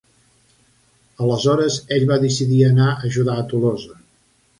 Aleshores ell va decidir anar a ajudar Tolosa.